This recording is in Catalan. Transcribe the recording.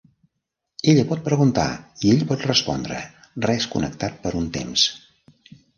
Ella pot preguntar, i ell pot respondre, res connectat per un temps.